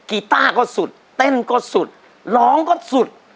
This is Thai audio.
กีต้าก็สุดเต้นก็สุดร้องก็สุด